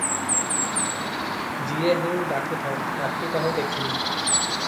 ଯିଏ ହେଉ ଡାକୁଥାଉ, ରାତି ପାହୁ ଦେଖିବି ।